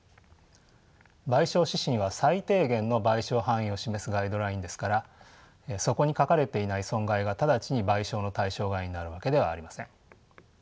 賠償指針は最低限の賠償範囲を示すガイドラインですからそこに書かれていない損害が直ちに賠償の対象外になるわけではありません。